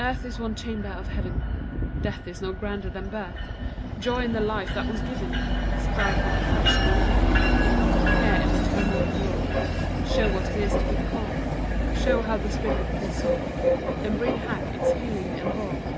Earth is one chamber of Heaven, Death is no grander than birth. Joy in the life that was given, Strive for perfection on earth; Here, in the turmoil and roar, Show what it is to be calm; Show how the spirit can soar And bring back its healing and balm.